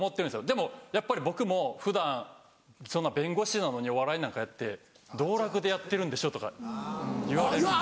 でもやっぱり僕も普段「弁護士なのにお笑いなんかやって道楽でやってるんでしょ」とか言われるんですよ。